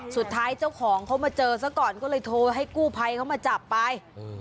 เจ้าของเขามาเจอซะก่อนก็เลยโทรให้กู้ภัยเขามาจับไป